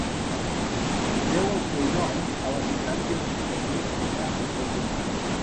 Deu el seu nom a l'abundància de castanyers que hi ha al seu voltant.